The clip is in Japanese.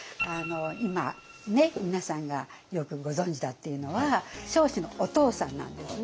今皆さんがよくご存じだっていうのは彰子のお父さんなんですね。